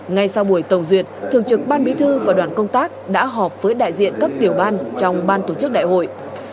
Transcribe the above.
ngay sau buổi tổng duyệt thường trực ban bí thư và đoàn công tác đã họp với đại diện các tiểu ban trong ban tổ chức đại hội